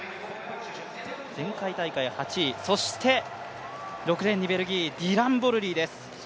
前回大会８位、そして６レーンにベルギー、ディラン・ボルリーです。